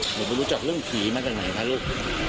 หนูไปรู้จักเรื่องผีมาจากไหนคะลูก